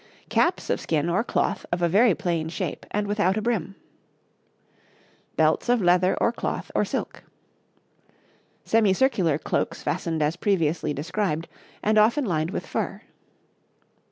Caps of skin or cloth of a very plain shape and without a brim. Belts of leather or cloth or silk. Semicircular cloaks fastened as previously described, and often lined with fur.